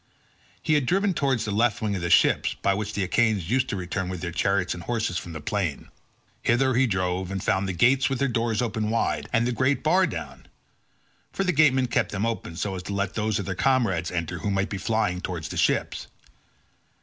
He had driven towards the left wing of the ships, by which way the Achaeans used to return with their chariots and horses from the plain. Hither he drove and found the gates with their doors opened wide, and the great bar down—for the gatemen kept them open so as to let those of their comrades enter who might be flying towards the ships.